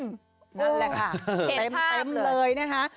นั่นแหละค่ะเต็มเลยนะคะ